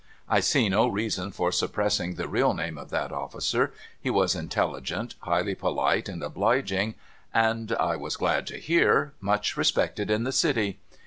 I see no reason for suppressing the real name of that officer. He was intelligent, highly polite, and obliging, and (I was glad to hear) much respected in the City.